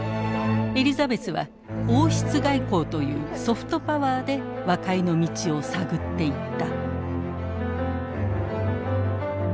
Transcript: エリザベスは王室外交というソフトパワーで和解の道を探っていった。